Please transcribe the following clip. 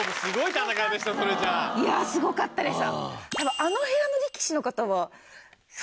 いやすごかったです。